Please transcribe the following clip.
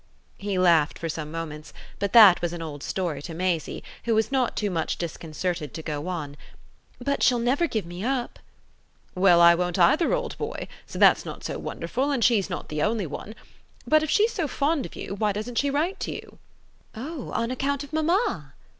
He laughed for some moments, but that was an old story to Maisie, who was not too much disconcerted to go on: "But she'll never give me up." "Well, I won't either, old boy: so that's not so wonderful, and she's not the only one. But if she's so fond of you, why doesn't she write to you?" "Oh on account of mamma."